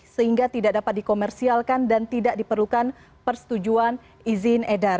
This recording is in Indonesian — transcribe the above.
sehingga tidak dapat dikomersialkan dan tidak diperlukan persetujuan izin edar